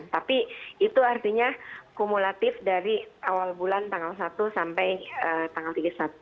tapi itu artinya kumulatif dari awal bulan tanggal satu sampai tanggal tiga puluh satu